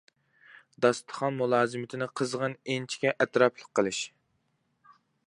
داستىخان مۇلازىمىتىنى قىزغىن، ئىنچىكە، ئەتراپلىق قىلىش.